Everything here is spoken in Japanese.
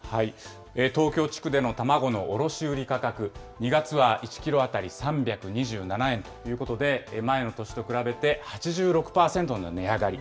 東京地区での卵の卸売り価格、２月は１キロ当たり３２７円ということで、前の年と比べて８６％の値上がり。